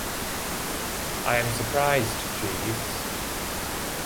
I am surprised, Jeeves.